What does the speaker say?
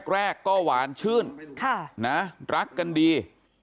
แรกก็หวานชื่นรักกันดี